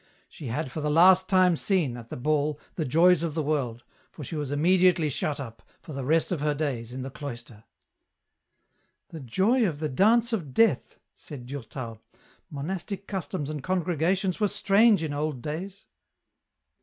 She had for the last time seen, at the ball, the joys of the world, for she was immediately shut up, for the rest of her days in the cloister." " The joy of the Dance of Death," said Durtal, " monastic customs and congregations were strange in old days."